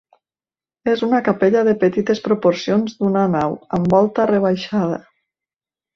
És una capella de petites proporcions, d'una nau, amb volta rebaixada.